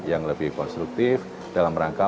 yang lebih konstruktif dalam rangka